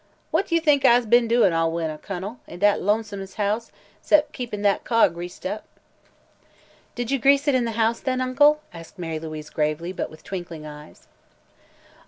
What yo' think I's be'n doin' all winter, Kun'l, in dat lonesomeness house, 'cept keepin' dat car greased up?" "Did you grease it in the house, then, Uncle?" asked Mary Louise gravely, but with twinkling eyes.